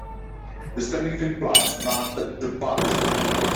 De stemming vindt plaats na het debat.